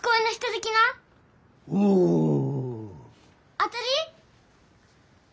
当たり？